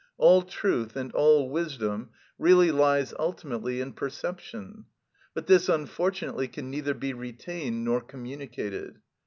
All truth and all wisdom really lies ultimately in perception. But this unfortunately can neither be retained nor communicated.